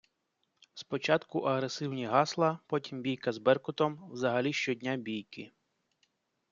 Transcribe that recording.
Спочатку агресивні гасла, потім бійка з Беркутом, взагалі щодня бійки.